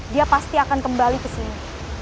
dia pasti akan kembali ke sini